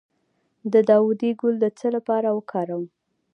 د داودي ګل د څه لپاره وکاروم؟